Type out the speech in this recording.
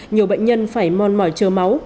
nhiều bệnh nhân phải mòn mỏi chờ máu